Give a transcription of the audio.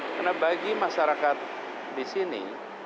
karena bagi masyarakat di sini